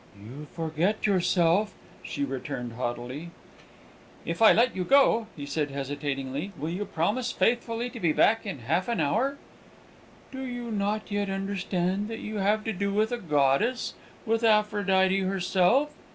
"You forget yourself," she returned haughtily. "If I let you go," he said hesitatingly, "will you promise faithfully to be back in half an hour?" "Do you not yet understand that you have to do with a goddess with Aphrodite herself?"